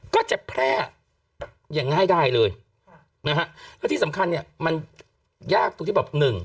ก็จะแพร่อย่างง่ายได้เลยนะฮะแล้วที่สำคัญเนี่ยมันยากตรงที่แบบหนึ่ง